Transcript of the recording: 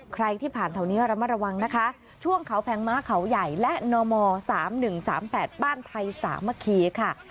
ใครที่ผ่านแถวนี้ระมัดระวังนะคะช่วงเขาแพงม้าเขาใหญ่และนม๓๑๓๘บ้านไทยสามัคคีค่ะ